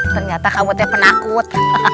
ternyata kamu teh penakut